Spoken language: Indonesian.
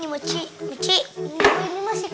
aduh kok ini bisa terbang sendiri gabriel